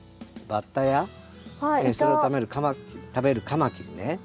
バッタやそれを食べるカマキリね